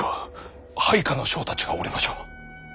配下の将たちがおりましょう。